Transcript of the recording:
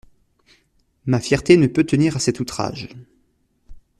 Ma fierté ne put tenir à cet outrage.